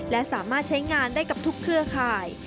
และสามารถใช้งานได้กับทุกเครือข่าย